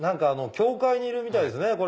教会にいるみたいですね